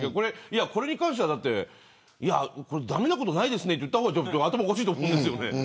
これに関しては駄目なことないですねと言った方が頭おかしいと思います。